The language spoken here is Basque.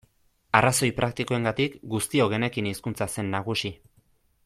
Arrazoi praktikoengatik guztiok genekien hizkuntza zen nagusi.